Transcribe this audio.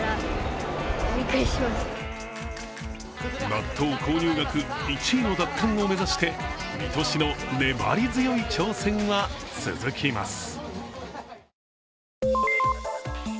納豆購入額１位の奪還を目指して水戸市の粘り強い挑戦は続きます。